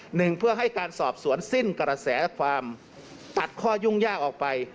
หนึ่งเพื่อให้การสอบสวนสิ้นกระแสความตัดข้อยุ่งยากออกไป